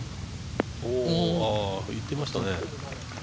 いってましたね。